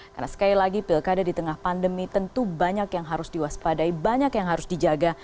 karena sekali lagi pilkada di tengah pandemi tentu banyak yang harus diwaspadai banyak yang harus dijaga